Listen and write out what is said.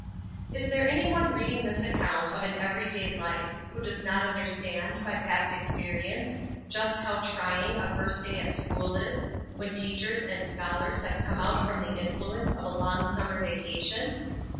Is there anyone reading this account of an every day life who does not understand, by past experience, just how trying a first day at school is, when teachers and scholars have come out from the influence of a long summer vacation?